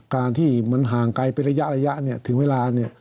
การที่มันห่างไกลไประยะถึงเวลา